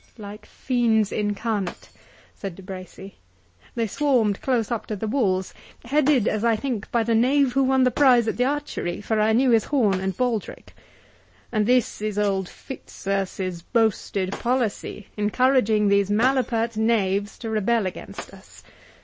"Like fiends incarnate," said De Bracy. "They swarmed close up to the walls, headed, as I think, by the knave who won the prize at the archery, for I knew his horn and baldric. And this is old Fitzurse's boasted policy, encouraging these malapert knaves to rebel against us!